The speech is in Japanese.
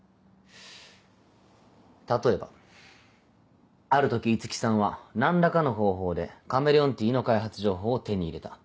例えばある時五木さんは何らかの方法でカメレオンティーの開発情報を手に入れた。